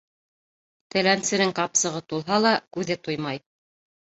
Теләнсенең ҡапсығы тулһа ла, күҙе туймай.